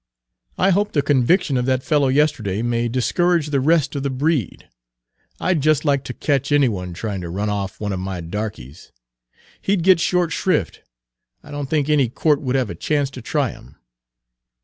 I hope the conviction of that fellow yesterday may discourage the rest of the breed. I'd just like to catch any one trying to run off one of my darkeys. He 'd get short shrift; I don't think any Court would have a chance to try him."